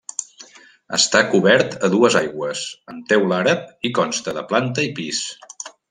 Està cobert a dues aigües amb teula àrab i consta de planta i pis.